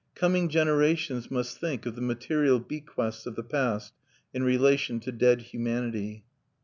Coming generations must think of the material bequests of the past in relation to dead humanity.